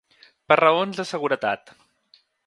Per raons de seguretat.